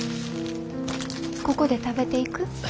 ここで食べていく？